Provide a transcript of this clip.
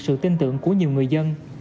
sự tin tưởng của nhiều người dân